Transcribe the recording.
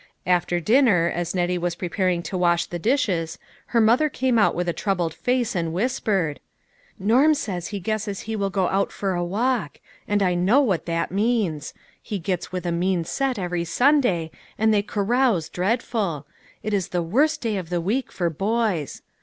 After dinner, as Nettie was preparing to wash the dishes, her mother came out with a troubled face, and whispered : u Norm says he guesses he will go out for a walk ; and I know what that means ; he gets 160 LITTLE FISHERS: AND THEIR NETS. with a mean set every Sunday, and they carouse dreadful ; it is the worst day in the week for boys.